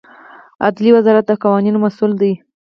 عدلیې وزارت د قوانینو مسوول دی